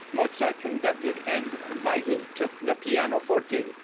Mozart conducted, and Weigl took the pianoforte.